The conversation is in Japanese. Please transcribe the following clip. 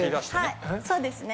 はいそうですね。